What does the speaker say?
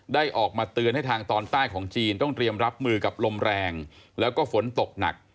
ออกมาเตือนให้ทางตอนใต้ของจีนต้องเตรียมรับมือกับลมแรงแล้วก็ฝนตกหนัก